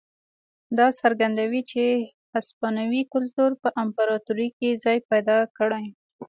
دا څرګندوي چې هسپانوي کلتور په امپراتورۍ کې ځای پیدا کړی.